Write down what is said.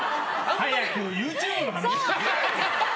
早くＹｏｕＴｕｂｅの話！